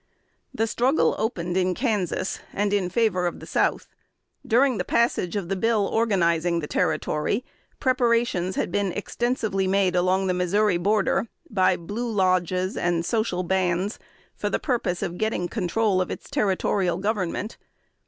The struggle opened in Kansas, and in favor of the South. During the passage of the bill organizing the Territory, preparations had been extensively made along the Missouri border, by "Blue Lodges" and "Social Bands," for the purpose of getting control of its Territorial government.